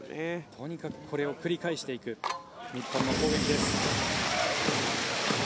とにかくこれを繰り返していく日本の攻撃です。